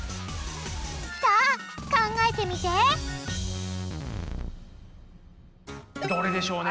さあ考えてみてどれでしょうね。